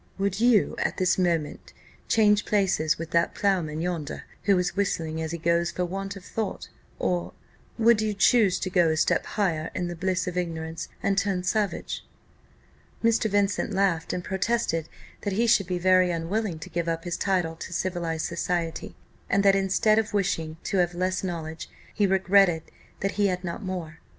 Would you, at this instant, change places with that ploughman yonder, who is whistling as he goes for want of thought? or, would you choose to go a step higher in the bliss of ignorance, and turn savage?" Mr. Vincent laughed, and protested that he should be very unwilling to give up his title to civilized society; and that, instead of wishing to have less knowledge, he regretted that he had not more.